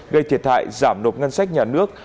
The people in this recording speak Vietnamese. gây thiệt hại giảm nộp ngân sách nhà nước